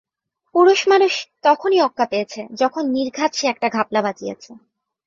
পুরুষ মানুষ তখনই অক্কা পেয়েছে, যখন নির্ঘাত সে একটা ঘাপলা বাজিয়েছে।